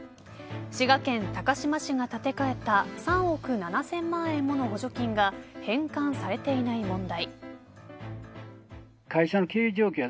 滋賀県高島市が立て替えた３億７０００万円もの補助金が返還されていない問題。